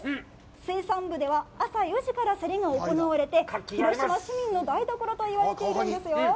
水産部では、朝４時から競りが行われて、広島市民の台所と言われているんですよ。